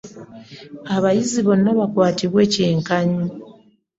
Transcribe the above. Abayizi bonna bakwatibwe kyenkanyi.